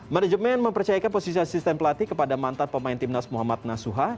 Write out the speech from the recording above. manajemen mempercayakan posisi asisten pelatih kepada mantan pemain timnas muhammad nasuha